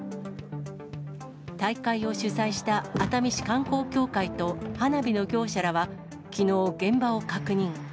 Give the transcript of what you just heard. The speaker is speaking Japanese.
大会を主催した熱海市観光協会と、花火の業者らはきのう、現場を確認。